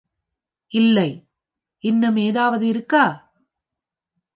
இல்லை...... இன்னும் ஏதாவது இருக்கா?